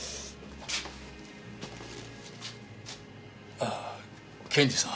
ああ検事さん。